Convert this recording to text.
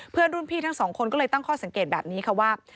เพื่อนรุ่นพี่ทั้งสองคนก็เลยตั้งข้อสังเกตแบบนี้ค่ะว่า